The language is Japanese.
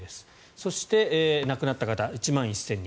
そして亡くなった方１万１０００人。